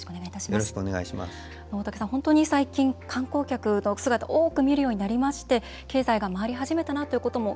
本当に最近観光客の姿を多く見るようになりまして経済が回り始めたなということも